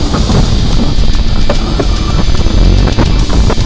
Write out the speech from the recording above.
ต้องกลับมาด้วยต้องกลับมาด้วย